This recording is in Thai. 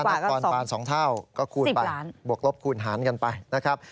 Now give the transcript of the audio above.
แปงกว่าก็๒๑๐ล้านก็คูณไปบวกลบคูณหารกันไปนะครับแปงกว่าก็๒๑๐ล้าน